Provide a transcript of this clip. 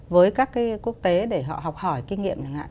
với các cái quốc tế để họ học hỏi kinh nghiệm chẳng hạn